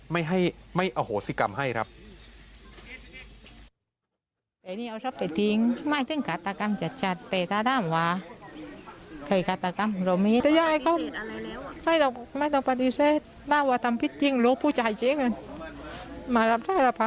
ไม่ให้ไม่อโหสิกรรมให้ครับ